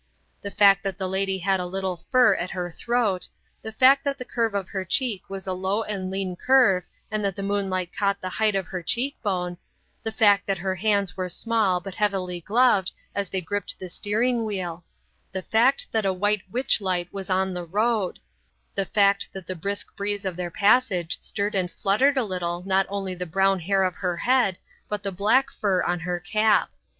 The fact that the lady had a little fur at her throat; the fact that the curve of her cheek was a low and lean curve and that the moonlight caught the height of her cheek bone; the fact that her hands were small but heavily gloved as they gripped the steering wheel; the fact that a white witch light was on the road; the fact that the brisk breeze of their passage stirred and fluttered a little not only the brown hair of her head but the black fur on her cap.